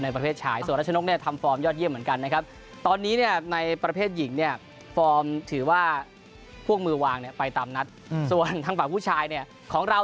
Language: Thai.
ในประเภทชายส่วนรัชนกเนี่ยทำฟอร์มยอดเยี่ยมเหมือนกันนะครับ